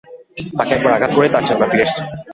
তাঁকে একবার আঘাত করেই তার চেতনা ফিরে এসেছে।